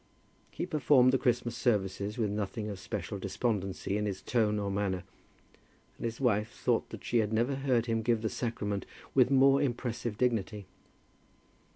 He performed the Christmas services with nothing of special despondency in his tone or manner, and his wife thought that she had never heard him give the sacrament with more impressive dignity.